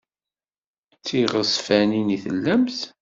D tiɣezfanin i tellamt?